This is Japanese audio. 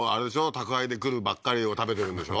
宅配で来るばっかりを食べてるんでしょ？